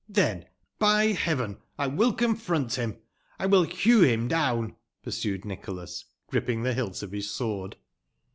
"Then, by Heaven! I will confront him — ^I will hew him down," pursued Nicholas, griping the hilt of his sword.